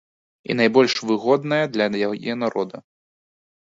І найбольш выгодная для яе народа.